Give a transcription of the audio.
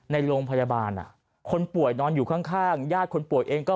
ในโรงพยาบาลคนป่วยนอนอยู่ข้างญาติคนป่วยเองก็